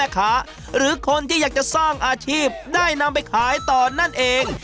ให้พ่อค้าแม่ค้าหรือคนที่อยากจะสร้างอาชีพได้นำไปขายต่อนั่นเอง